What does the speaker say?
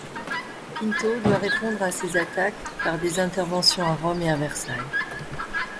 Pinto doit répondre à ces attaques par des interventions à Rome et à Versailles.